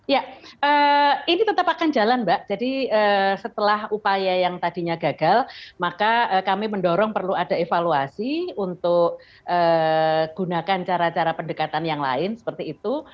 ya ini tetap akan jalan mbak jadi setelah upaya yang tadinya gagal maka kami mendorong perlu ada evaluasi untuk gunakan cara cara pendekatan yang lain seperti itu